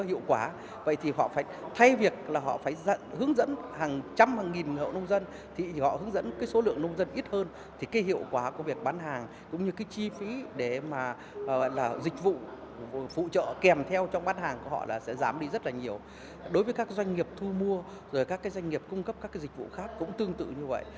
đối với các doanh nghiệp thu mua các doanh nghiệp cung cấp các dịch vụ khác cũng tương tự như vậy